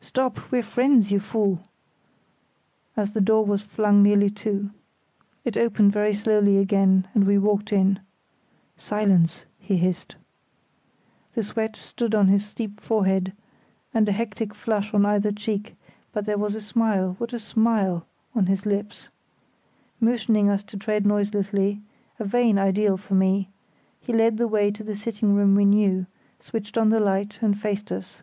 "Stop, we're friends, you fool!" as the door was flung nearly to. It opened very slowly again, and we walked in. "Silence!" he hissed. The sweat stood on his steep forehead and a hectic flush on either cheek, but there was a smile—what a smile!—on his lips. Motioning us to tread noiselessly (a vain ideal for me), he led the way to the sitting room we knew, switched on the light, and faced us.